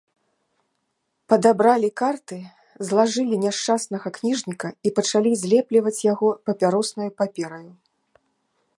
Падабралі карты, злажылі няшчаснага ніжніка і пачалі злепліваць яго папяроснаю папераю.